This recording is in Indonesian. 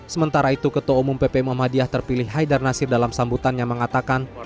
sementara itu ketua umum pp muhammadiyah terpilih haidar nasir dalam sambutannya mengatakan